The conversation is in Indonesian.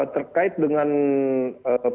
terkait dengan penyelundupan